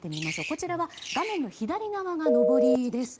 こちらは画面の左側が上りです。